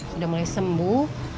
sudah mulai sembuh